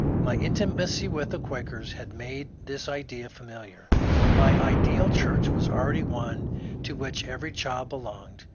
My intimacy with the Quakers had made this idea f amiliar, and my ideal church was already one to which every child belonged.